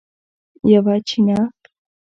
یوه چینه